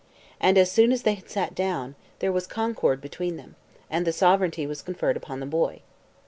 And as soon as they had sat down, there was concord between them; and the sovereignty was conferred upon the boy.